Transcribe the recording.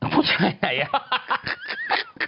ผู้ชายไหน